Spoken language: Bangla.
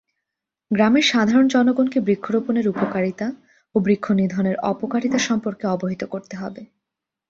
গ্রামের সাধারণ জনগনকে বৃক্ষরোপনের উপকারিতা ও বৃক্ষনিধনের অপকারিতা সম্পর্কে অবহিত করতে হবে।